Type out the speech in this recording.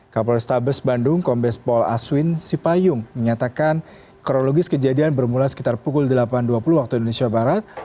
kapol restabes bandung kombes pol aswin sipayung menyatakan kronologis kejadian bermula sekitar pukul delapan dua puluh waktu indonesia barat